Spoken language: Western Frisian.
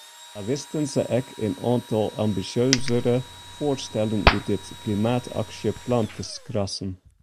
Sa wisten se ek in oantal ambisjeuzere foarstellen út it klimaataksjeplan te skrassen.